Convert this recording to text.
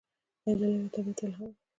نجلۍ له طبیعته الهام اخلي.